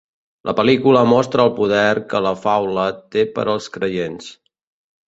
La pel·lícula mostra el poder que la faula té per als creients.